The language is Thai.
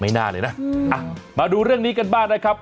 น่าเลยนะมาดูเรื่องนี้กันบ้างนะครับ